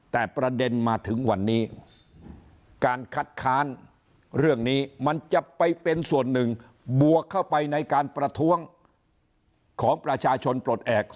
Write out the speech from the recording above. แต่ประเด็นมาถึงวันนี้การคัดค้านเรื่องนี้มันจะไปเป็นส่วนหนึ่งบวกเข้าไปในการประท้วงของประชาชนปลดแอบ